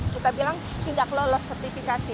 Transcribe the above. kita bilang tidak lolos sertifikasi